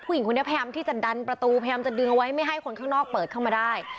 ผู้หญิงคนนี้พยายามที่จะดันประตูพยายามจะดึงเอาไว้ไม่ให้คนข้างนอกเปิดเข้ามาได้